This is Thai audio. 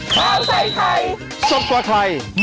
ฮ่าแล้วล่ะ